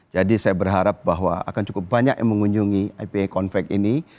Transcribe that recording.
jadi saya berharap bahwa akan cukup banyak yang mengunjungi ipa convex ini